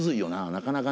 なかなかね。